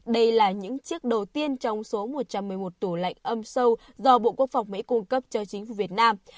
đây là những chiếc đầu tiên trong số một trăm một mươi một tủ lạnh âm sâu do bộ quốc phòng mỹ cung cấp cho chính phủ việt nam